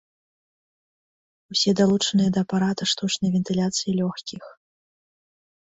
Усе далучаныя да апарата штучнай вентыляцыі лёгкіх.